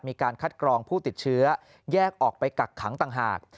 มีการคัดกรองผู้ติดเชื้อแยกออกไปกักขังต่างหาก